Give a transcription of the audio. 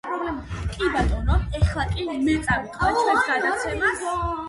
აგებულია გრანიტებით, გნაისებით, კრისტალური ფიქლებით, კვარციტებით.